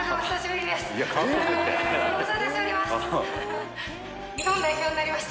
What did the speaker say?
監督、お久しぶりです。